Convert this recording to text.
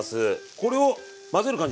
これを混ぜる感じですか？